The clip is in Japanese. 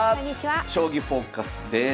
「将棋フォーカス」です。